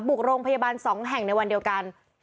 บุกโรงพยาบาล๒แห่งในวันเดียวกัน